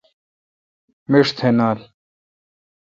مݭ تھ نال۔